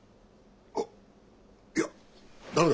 あっいや駄目だ。